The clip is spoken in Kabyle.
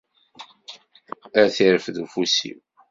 Ad t-irfed ufus-iw.